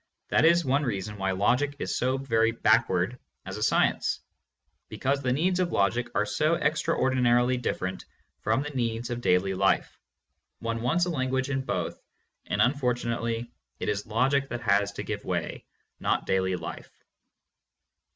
That is one reason why logic is so very backward as a science, because the needs of logic are so extraordinarily different from the needs of daily life. One wants a language in both, and unfortunately it is logic that has to give way, not daily life.